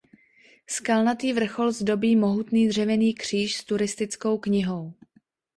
Skalnatý vrchol zdobí mohutný dřevěný kříž s turistickou knihou.